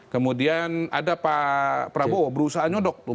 kemudian ada pak prabowo berusaha nyodok